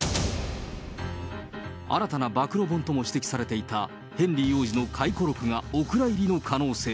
新たな暴露本とも指摘されていたヘンリー王子の回顧録がお蔵入りの可能性。